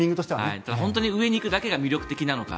本当に上に行くだけが魅力的なのか。